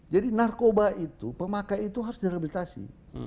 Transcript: jadi narkoba itu pemakai itu harus direhabilitasi